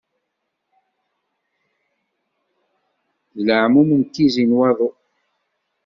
D leɛmum n tizi n waḍu.